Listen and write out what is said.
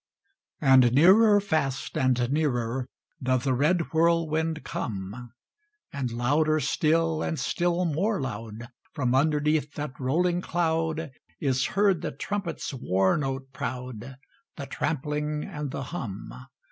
And nearer fast and nearer Doth the red whirlwind come; And louder still and still more loud From underneath that rolling cloud Is heard the trumpet's war note proud, The trampling, and the hum.